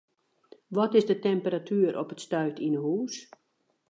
Wat is de temperatuer op it stuit yn 'e hûs?